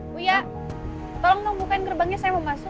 buya tolong nunggu bukain gerbangnya saya mau masuk